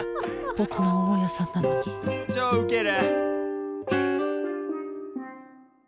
僕の大家さんなのに超ウケる。